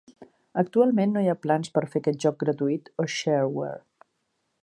Actualment no hi ha plans per fer aquest joc gratuït o "shareware".